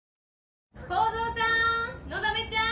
耕造さーん！のだめちゃーん！